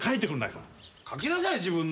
かきなさい自分で。